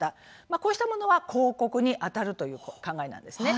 こうしたものは広告にあたるという考えなんですね。